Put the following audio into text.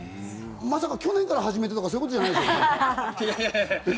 まさか去年から始めたとか、そういうことじゃないですよね？